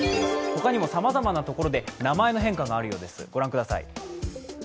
ほかにも、さまざまなところで名前の変化があるようです。